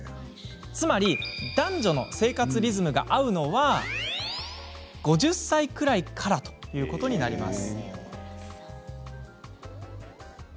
つまり、男女の生活リズムが合うのは５０歳くらいからということになります。